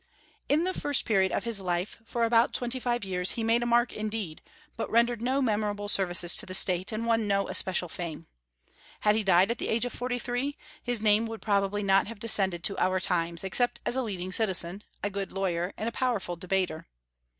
In the first period of his life, for about twenty five years, he made a mark indeed, but rendered no memorable services to the State and won no especial fame. Had he died at the age of forty three, his name would probably not have descended to our times, except as a leading citizen, a good lawyer, and powerful debater.